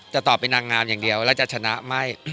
จะตอบเป็นนางงามอย่างเดียวแล้วจะชนะไม่